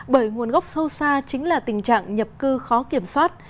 bởi nguồn gốc sâu xa chính là tình trạng nhập cư khó kiểm soát